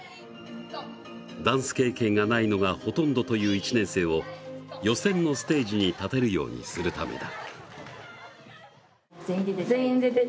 ダンス経験がないのがほとんどという１年生を予選のステージに立てるようにするためだ。